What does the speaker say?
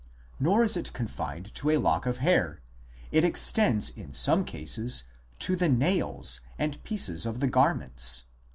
Nor is it confined to a lock of hair ; it extends in some cases to the nails and pieces of the garments.